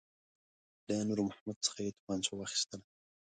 له نور محمد څخه یې توپنچه واخیستله.